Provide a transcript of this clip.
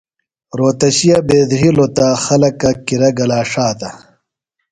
رھوتشیہ بیدھرِلوۡ تہ خلکہ کِرہ گلا ݜاتہ۔